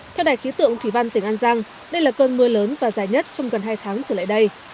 theo đài khí tượng thủy văn tỉnh an giang đây là cơn mưa lớn và dài nhất trong gần hai tháng trở lại đây